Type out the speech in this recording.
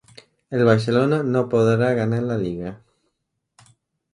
El Barcelona no podrá ganar la liga